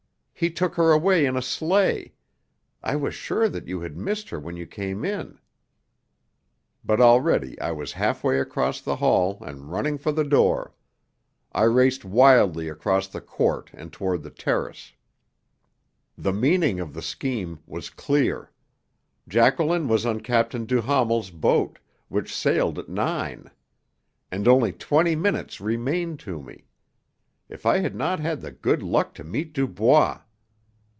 He took her away in a sleigh. I was sure that you had missed her when you came in." But already I was half way across the hall and running for the door. I raced wildly across the court and toward the terrace. The meaning of the scheme was clear. Jacqueline was on Captain Duhamel's boat, which sailed at nine. And only twenty minutes remained to me. If I had not had the good luck to meet Dubois!